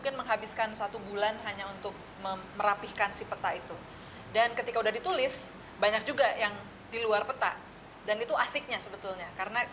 yang lebih besar lagi disiplin sebetulnya